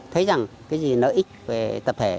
thấy rằng cái gì nợ ích về tập thể